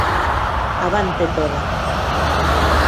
Avante Toda.